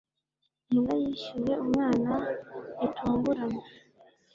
Imbwa yishyuye umwana gitunguranye.